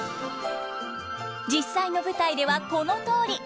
実際の舞台ではこのとおり。